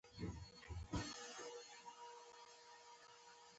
شواهد په هغو ډبرلیکونو کې لیدل کېږي